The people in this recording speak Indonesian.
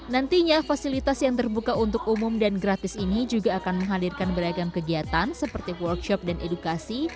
nantinya fasilitas yang terbuka untuk umum dan gratis ini juga akan menghadirkan beragam kegiatan seperti workshop dan edukasi